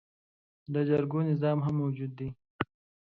د جرګو نظام هم موجود دی